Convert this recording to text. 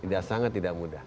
tidak sangat tidak mudah